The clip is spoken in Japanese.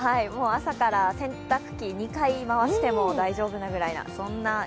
朝から洗濯機２回回しても大丈夫なぐらいな